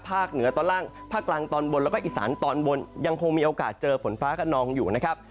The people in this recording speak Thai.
เหนือตอนล่างภาคกลางตอนบนแล้วก็อีสานตอนบนยังคงมีโอกาสเจอฝนฟ้ากระนองอยู่นะครับ